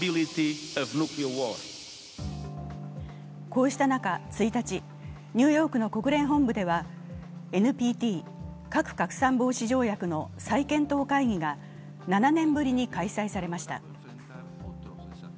こうした中、１日、ニューヨークの国連本部ではＮＰＴ＝核拡散防止条約の再検討会議が７年ぶりに開催されました。